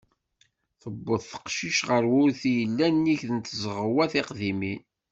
Tiweḍ teqcict ɣer wurti i yellan nnig n tzeɣwa tiqdimin.